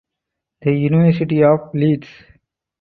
The University of Leeds.